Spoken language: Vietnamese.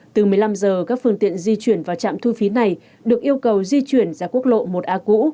từ một mươi năm h các phương tiện di chuyển vào trạm thu phí này được yêu cầu di chuyển ra quốc lộ một a cũ